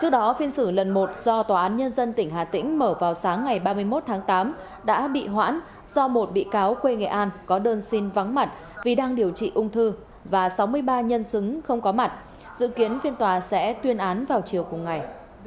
do tòa án nhân dân tỉnh hà tĩnh mở vào sáng ngày ba mươi một tháng tám đã bị hoãn do một bị cáo quê nghệ an có đơn xin vắng mặt vì đang điều trị ung thư và sáu mươi ba nhân xứng không có mặt dự kiến phiên tòa sẽ tuyên án vào chiều cùng ngày